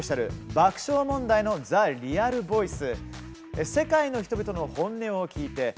「爆笑問題のザ・リアル・ボイス！」